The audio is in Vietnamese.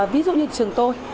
ví dụ như trường tôi